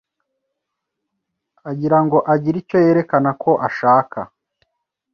agirango agire icyo yerekana ko ashaka.